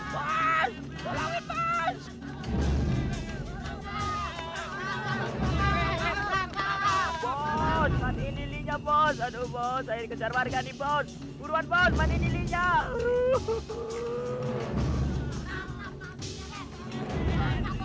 buruan bos matiin lilinya